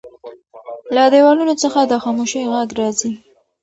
له دیوالونو څخه د خاموشۍ غږ راځي.